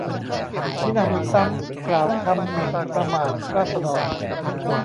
มิหนำซ้ำกล่าวคำหมิ่นประมาทราษฎร